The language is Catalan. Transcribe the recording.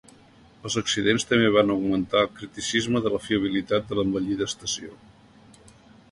Els accidents també van augmentar el criticisme de la fiabilitat de l'envellida estació.